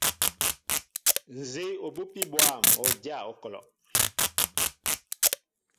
Nzi obupi bwȃm, o dya okɔlɔ.